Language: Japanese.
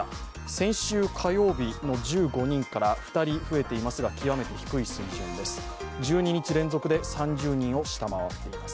先週火曜日の１５人から２人増えていますが極めて低い水準です。